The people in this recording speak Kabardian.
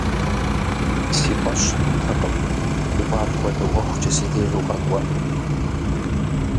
Си фӀэщ хъунтэкъым уэ апхуэдэ ӀуэхукӀэ си деж укъэкӀуэну.